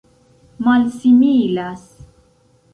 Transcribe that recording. malsimilas